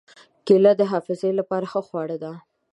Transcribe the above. کېله د حافظې له پاره ښه خواړه ده.